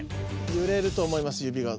ゆれると思います指が。